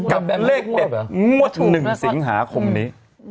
กับเลข๗งวด๑สิงหาคมนี้